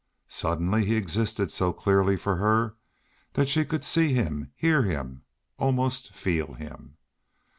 Suddenly he existed so clearly for her that she could see him, hear him, almost feel him.